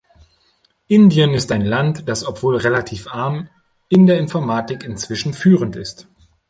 Indien ist ein Land, das obwohl relativ arm in der Informatik inzwischen führend ist.